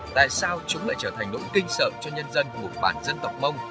tại sao chúng lại trở thành nỗi kinh sợ cho nhân dân một bản dân tộc mông